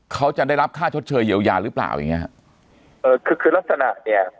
เขาจะได้รับค่าชดเชยเยียวยาหรือเปล่าอย่างเงี้ฮะเอ่อคือคือลักษณะเนี้ย